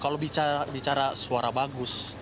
kalau bicara suara bagus